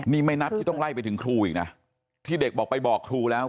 นี่ไม่นับที่ต้องไล่ไปถึงครูอีกนะที่เด็กบอกไปบอกครูแล้ว